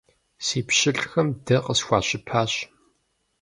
Си пщылӀхэм дэ къысхуащыпащ!